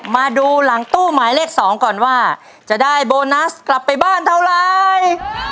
มาดูหลังตู้หมายเลข๒ก่อนว่าจะได้โบนัสกลับไปบ้านเท่าไร